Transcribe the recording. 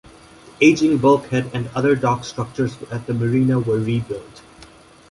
The aging bulkhead and other dock structures at the marina were rebuilt.